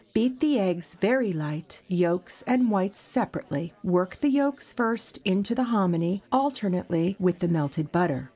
Beat the eggs very light, yolks and whites separately. Work the yolks first into the hominy, alternately with the melted butter.